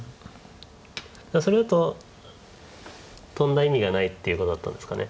それだとトンだ意味がないっていうことだったんですかね。